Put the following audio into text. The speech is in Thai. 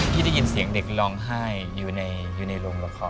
ได้ยินเสียงเด็กร้องไห้อยู่ในโรงละคร